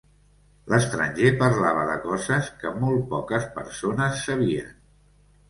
L'estranger parlava de coses que molt poques persones sabien.